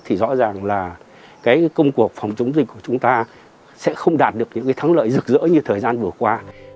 thì rõ ràng là cái công cuộc phòng chống dịch của chúng ta sẽ không đạt được những cái thắng lợi rực rỡ như thời gian vừa qua